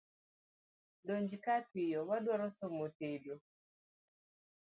Donjkae piyo wadwaro somo tedo.